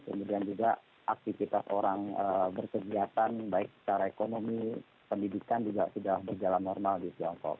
kemudian juga aktivitas orang berkegiatan baik secara ekonomi pendidikan juga sudah berjalan normal di tiongkok